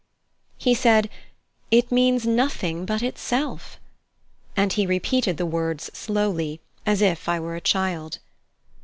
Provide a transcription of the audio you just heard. He said: "It means nothing but itself" and he repeated the words slowly, as if I were a child.